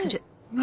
何？